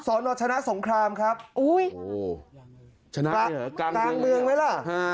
ศหนอชนะสงครามครับโอ้โหชนะไงหรอกลางเมืองไหมล่ะ